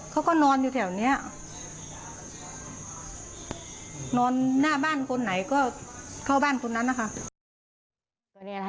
เขาก็นอนอยู่แถวนี้นอนหน้าบ้านคนไหนก็เข้าบ้านคนนั้นนะคะ